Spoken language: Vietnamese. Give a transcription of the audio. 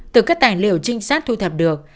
từ các tài liệu trinh sát thu thập được